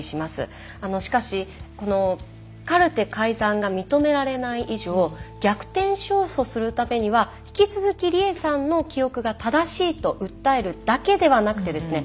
しかしこのカルテ改ざんが認められない以上逆転勝訴するためには引き続き理栄さんの記憶が正しいと訴えるだけではなくてですね